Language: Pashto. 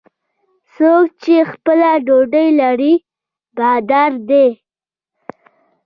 څوک چې خپله ډوډۍ لري، بادار دی.